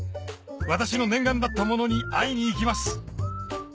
私の念願だったものに会いに行きます